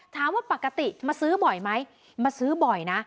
ถามว่าปกติมาซื้อบ่อยไหมมาซื้อบ่อยนะ